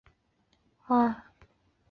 再被秦桧弹劾落职。